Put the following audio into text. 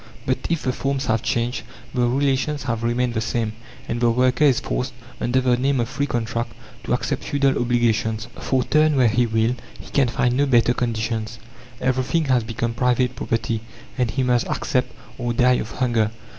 But if the forms have changed, the relations have remained the same, and the worker is forced, under the name of free contract, to accept feudal obligations. For, turn where he will, he can find no better conditions. Everything has become private property, and he must accept, or die of hunger.